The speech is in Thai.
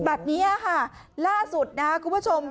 แบบนี้ค่ะล่าสุดนะครับคุณผู้ชม